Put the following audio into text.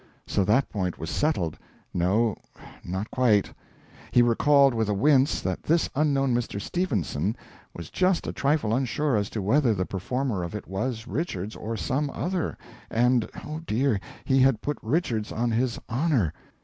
So that point was settled... No, not quite. He recalled with a wince that this unknown Mr. Stephenson was just a trifle unsure as to whether the performer of it was Richards or some other and, oh dear, he had put Richards on his honour!